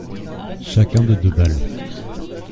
Chacun de deux balles.